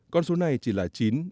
con số này chỉ là chín một mươi bốn